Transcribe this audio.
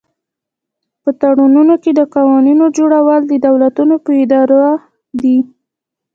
په تړونونو کې د قوانینو جوړول د دولتونو په اراده دي